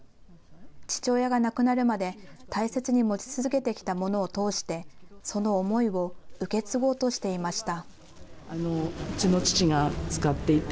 父親が亡くなるまで、大切に持ち続けてきたものを通して、その思いを受け継ごうとしていました。